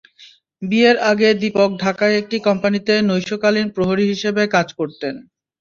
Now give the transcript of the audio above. বিয়ের আগে দিপক ঢাকায় একটি কোম্পানিতে নৈশকালীন প্রহরী হিসেবে কাজ করতেন।